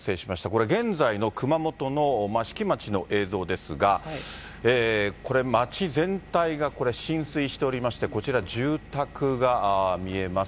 これ現在の熊本の益城町の映像ですが、これ、町全体がこれ浸水しておりまして、こちら住宅が見えます。